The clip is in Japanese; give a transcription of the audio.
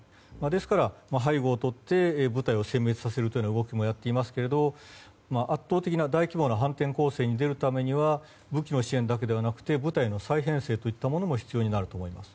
ですから背後をとって部隊をせん滅させるという動きもやっていますけれども圧倒的な、大規模な反転攻勢に出るためには武器の支援だけではなく部隊の再編成も必要になると思います。